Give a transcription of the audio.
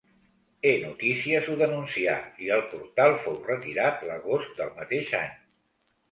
E-notícies ho denuncià i el portal fou retirat l'agost del mateix any.